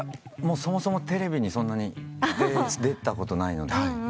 そもそもテレビにそんなに出たことないので。